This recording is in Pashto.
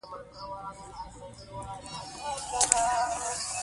پښتو زده کړه یوه ملي او ټولنیزه اړتیا ده